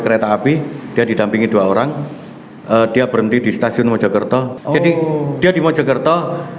kereta api dia didampingi dua orang dia berhenti di stasiun mojokerto jadi dia di mojokerto